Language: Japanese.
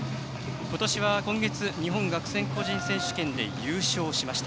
今年は今月日本学生個人選手権で優勝。